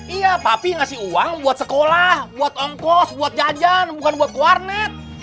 iya papi ngasih uang buat sekolah buat ongkos buat jajan bukan buat warnet